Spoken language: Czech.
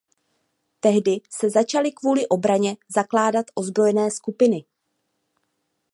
Tehdy se začaly kvůli obraně zakládat ozbrojené skupiny.